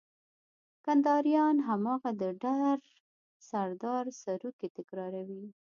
کنداريان هماغه د ډر سردار سروکی تکراروي.